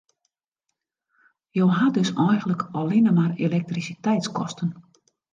Jo ha dus eigenlik allinne mar elektrisiteitskosten.